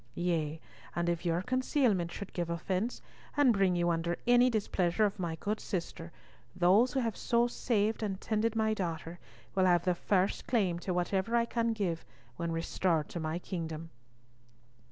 Yea, and if your concealment should give offence, and bring you under any displeasure of my good sister, those who have so saved and tended my daughter will have the first claim to whatever I can give when restored to my kingdom."